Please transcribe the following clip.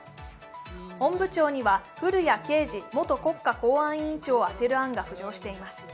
本部長には古屋圭司元国家公安委員長を当てる案が浮上しています。